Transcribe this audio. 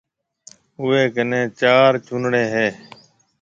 اوَي ڪنَي چار چونڙَي هيَ۔